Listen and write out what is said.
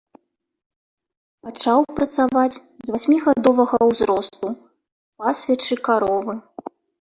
Пачаў працаваць з васьмігадовага ўзросту, пасвячы каровы.